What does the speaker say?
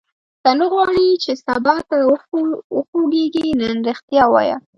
که نه غواړې چې سبا ته وښوېږې نن ریښتیا ووایه.